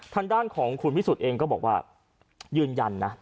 ทางด้านของคุณวิสุทธิ์เองก็บอกว่ายืนยันนะ